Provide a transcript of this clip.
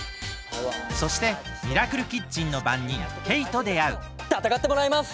そしてミラクルキッチンのばんにんケイとであうたたかってもらいます！